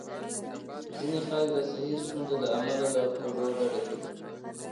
ځینې خلک د صحي ستونزو له امله له خوږو ډډه کوي.